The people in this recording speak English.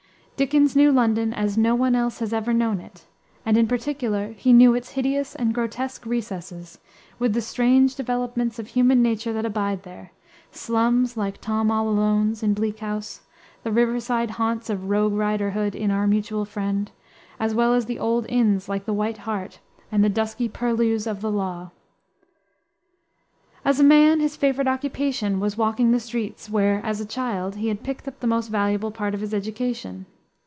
Dickens knew London as no one else has ever known it, and, in particular, he knew its hideous and grotesque recesses, with the strange developments of human nature that abide there; slums like Tom all Alone's, in Bleak House; the river side haunts of Rogue Riderhood, in Our Mutual Friend; as well as the old inns, like the "White Hart," and the "dusky purlieus of the law." As a man, his favorite occupation was walking the streets, where, as a child, he had picked up the most valuable part of his education.